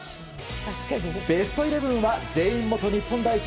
ベストイレブンは全員、元日本代表。